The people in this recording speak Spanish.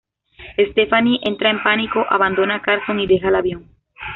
Stephanie entra en pánico, abandona a Carson y deja el avión.